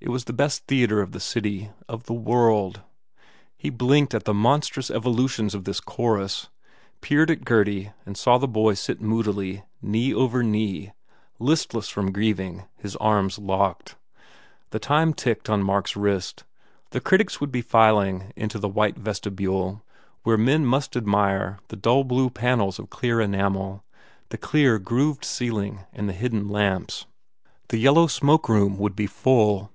It was the best theatre of the city, of the world. He blinked at the monstrous evolutions of this chorus, peered at Gurdy and saw the boy sit moodily, knee over knee, listless from grieving, his arms locked. The time ticked on Mark s wrist The critics would be filing into the white vestibule where men must admire the dull blue panels of clear enamel, the simple, grooved ceiling and the hidden lamps. The yellow smoke room would be full.